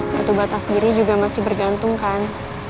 batu bata sendiri juga masih bergantung kan